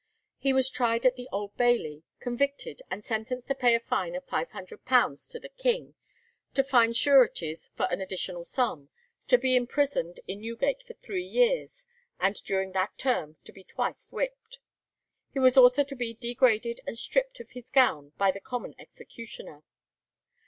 He was tried at the Old Bailey, convicted, and sentenced to pay a fine of £500 to the king, to find sureties for an additional sum, to be imprisoned in Newgate for three years, and during that term to be twice whipped. He was also to be degraded and stripped of his gown by the common executioner.